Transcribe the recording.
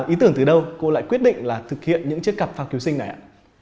ý tưởng từ đâu cô lại quyết định là thực hiện những chiếc cặp phao cứu sinh này ạ